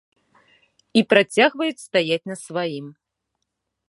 І працягваюць стаяць на сваім.